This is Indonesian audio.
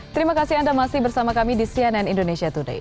terima kasih anda masih bersama kami di cnn indonesia today